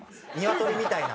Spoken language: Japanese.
鶏みたいな。